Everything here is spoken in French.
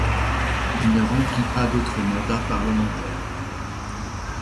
Il ne remplit pas d'autre mandat parlementaire.